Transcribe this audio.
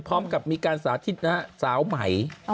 พร้อมกับมีการสาธิตเซาไหม